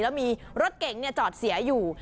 แล้วมีรถเก๋งจอดเสียอยู่